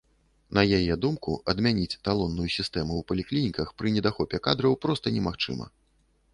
На яе думку, адмяніць талонную сістэму ў паліклініках пры недахопе кадраў проста немагчыма.